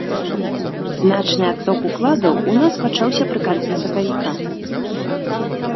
Значны адток укладаў у нас пачаўся пры канцы сакавіка.